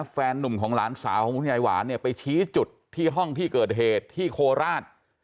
หนุ่มของหลานสาวของคุณยายหวานเนี่ยไปชี้จุดที่ห้องที่เกิดเหตุที่โคราช